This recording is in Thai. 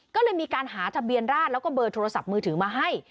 ก็เลยมีการหาทะเบียนราชแล้วก็เบอร์โทรศัพท์มือถือมาให้